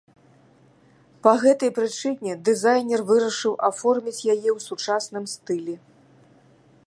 Па гэтай прычыне дызайнер вырашыў аформіць яе ў сучасным стылі.